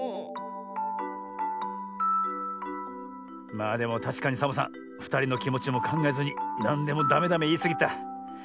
まあでもたしかにサボさんふたりのきもちもかんがえずになんでもダメダメいいすぎた。